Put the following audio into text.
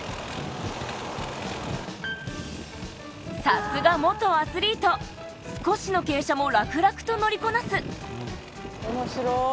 さすが元アスリート少しの傾斜も楽々と乗りこなす